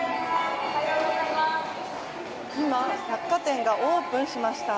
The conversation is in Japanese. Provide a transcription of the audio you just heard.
今、百貨店がオープンしました。